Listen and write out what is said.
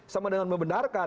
sama dengan membenarkan